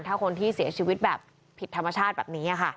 ถ้าคนที่เสียชีวิตแบบผิดธรรมชาติแบบนี้ค่ะ